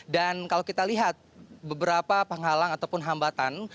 dan kalau kita lihat beberapa penghalang ataupun hambatan